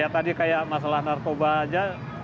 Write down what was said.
tadi seperti masalah narkoba saja